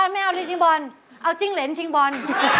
ไม่เอาเลยชิงบอลเอาจิ้งเหรนชิงบอล